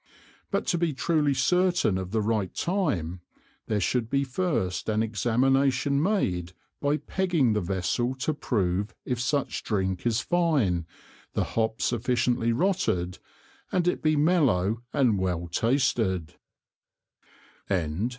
But to be truly certain of the right Time, there should be first an Examination made by Pegging the Vessel to prove if such Drink is fine, the Hop sufficiently rotted, and it be mellow and well tasted.